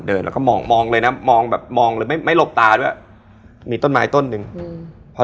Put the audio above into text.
แล้วก็มองมองเลยนะมองแบบมองเลยไม่ไม่หลบตาด้วยมีต้นไม้ต้นหนึ่งอืมพอ